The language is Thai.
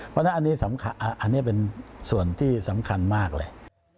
เพราะฉะนั้นอันนี้เป็นส่วนที่สำคัญมากเลย